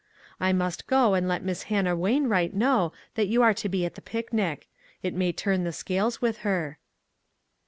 I must go and let Miss Hannah Wamwright know that you are to be at the picnic. It may turn the scales with her."